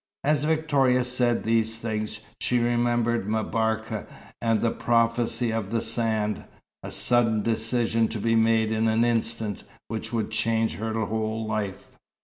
As Victoria said these things, she remembered M'Barka, and the prophecy of the sand; a sudden decision to be made in an instant, which would change her whole life.